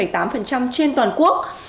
trên toàn quốc